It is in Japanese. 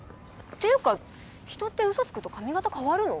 っていうか人って嘘つくと髪型変わるの？